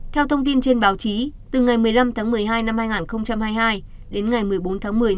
theo thông tin trên báo chí từ ngày một mươi năm tháng một mươi hai năm hai nghìn hai mươi hai đến ngày một mươi bốn tháng một mươi